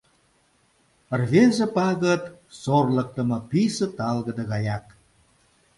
Рвезе пагыт сорлыкдымо писе талгыде гаяк.